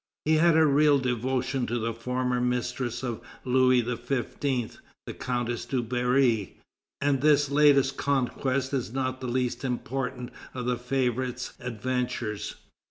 He had a real devotion to the former mistress of Louis XV., the Countess du Barry, and this latest conquest is not the least important of the favorite's adventures.